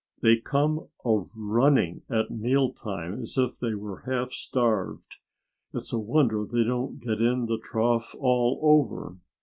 "They come a running at meal time as if they were half starved. It's a wonder they don't get in the trough all over."